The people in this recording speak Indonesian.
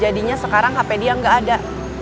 jadinya sekarang hp dia nggak ada